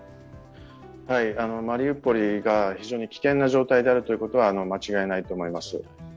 マリウポリが非常に危険な状態であることは間違いないと思います。